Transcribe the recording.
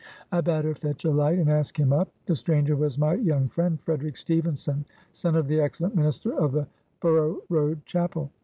I bade her fetch a light, and ask him up. The stranger was my young friend, Frederick Stephenson, son of the excellent minister of the Bor ough Road Chapel.